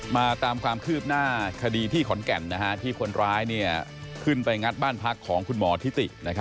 มาตามความคืบหน้าคดีที่ขอนแก่นที่คนร้ายขึ้นไปงัดบ้านพักของคุณหมอทิติ